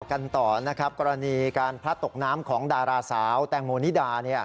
กันต่อนะครับกรณีการพลัดตกน้ำของดาราสาวแตงโมนิดา